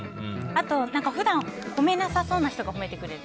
あと、普段、褒めなさそうな人が褒めてくれる。